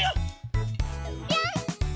ぴょん！